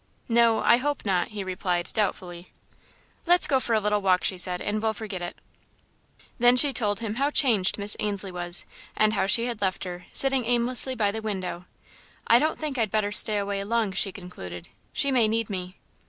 "No, I hope not," he replied, doubtfully. "Let's go for a little walk," she said, "and we'll forget it." Then she told him how changed Miss Ainslie was and how she had left her, sitting aimlessly by the window. "I don't think I'd better stay away long," she concluded, "she may need me."